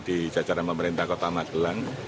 di jajaran pemerintah kota magelang